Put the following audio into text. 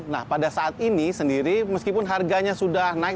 nah pada saat ini sendiri meskipun harganya sudah naik